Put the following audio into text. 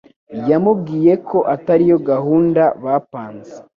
Yamubwiyeko atari yo gahunda bapanze